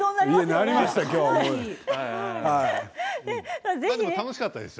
でも楽しかったですよ。